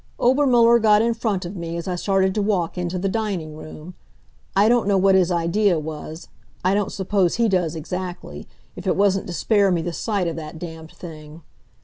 Obermuller got in front of me as I started to walk into the dining room. I don't know what his idea was. I don't suppose he does exactly if it wasn't to spare me the sight of that damned thing.